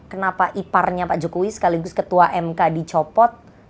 kenapa iparnya pak jokowi sekaligus ketua mk dicopot